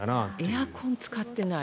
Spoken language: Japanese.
エアコンを使ってない。